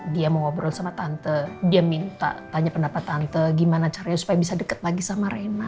dia mau ngobrol sama tante dia minta tanya pendapat tante gimana caranya supaya bisa deket lagi sama reina